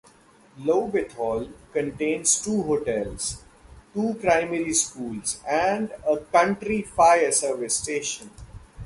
Lobethal contains two hotels, two primary schools and a Country Fire Service station.